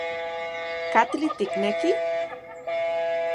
¿Katli tikneki?